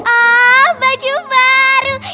oh baju baru